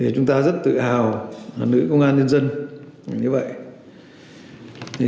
chúng ta rất tự hào là nữ công an nhân dân như vậy